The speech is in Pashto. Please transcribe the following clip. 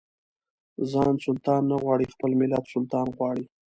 ځان سلطان نه غواړي خپل ملت سلطان غواړي.